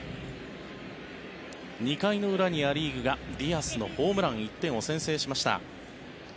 ２回の裏にア・リーグがディアスのホームランで１点を先制しました。